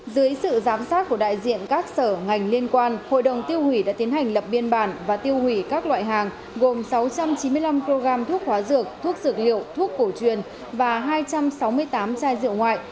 dưới sự giám sát của đại diện các sở ngành liên quan hội đồng tiêu hủy đã tiến hành lập biên bản và tiêu hủy các loại hàng gồm sáu trăm chín mươi năm kg thuốc hóa dược thuốc dược liệu thuốc cổ truyền và hai trăm sáu mươi tám chai rượu ngoại